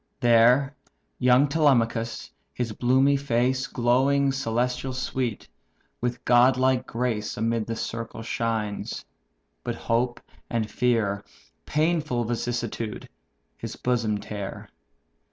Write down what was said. There young Telemachus, his bloomy face Glowing celestial sweet, with godlike grace Amid the circle shines: but hope and fear (Painful vicissitude!) his bosom tear.